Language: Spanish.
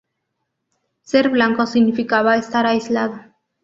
Ser blanco significaba estar aislado".